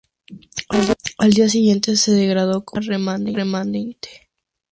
Al día siguiente, se degradó como un baja remanente.